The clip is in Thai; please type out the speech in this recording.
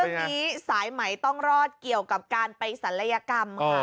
เรื่องนี้สายไหมต้องรอดเกี่ยวกับการไปศัลยกรรมค่ะ